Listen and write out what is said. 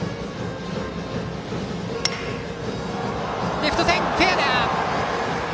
レフト線フェアだ！